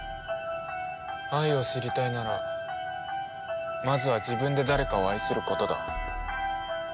愛を知りたいならまずは自分で誰かを愛することだ。